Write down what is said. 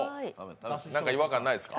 何か違和感ないですか？